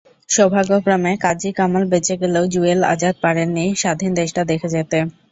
সৌভাগ্যক্রমে কাজী কামাল বেঁচে গেলেও জুয়েল, আজাদ পারেননি স্বাধীন দেশটা দেখে যেতে।